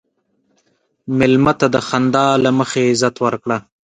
مېلمه ته د خندا له مخې عزت ورکړه.